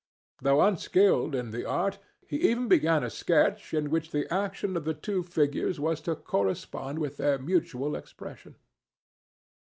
Though unskilled in the art, he even began a sketch in which the action of the two figures was to correspond with their mutual expression.